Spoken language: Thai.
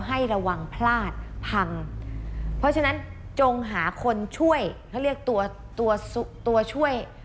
ให้ระวังพลาดพังเพราะฉะนั้นจงหาคนช่วยเขาเรียกตัวตัวช่วย